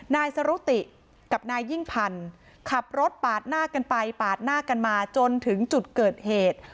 นายสรุติกับนายยิ่งพันธุ์ขับรถปาดหน้ากันไปปาดหน้ากันมาจนถึงจุดเกิดเหตุ